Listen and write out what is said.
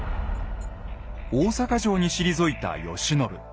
大坂城に退いた慶喜。